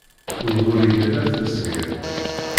Ugur yellan ad t-nezger.